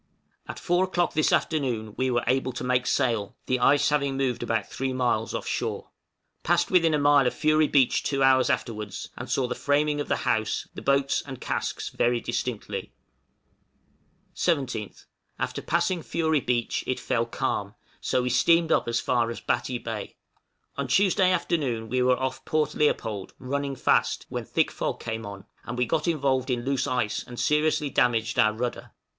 At four o'clock this afternoon we were able to make sail, the ice having moved about 3 miles off shore. Passed within a mile of Fury Beach two hours afterwards, and saw the framing of the house, the boats and casks very distinctly. 17th. After passing Fury Beach it fell calm, so we steamed up as far as Batty Bay. On Tuesday afternoon we were off Port Leopold, running fast, when thick fog came on, and we got involved in loose ice, and seriously damaged our rudder.